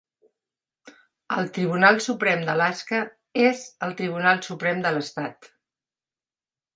El Tribunal Suprem d'Alaska és el tribunal suprem de l'estat.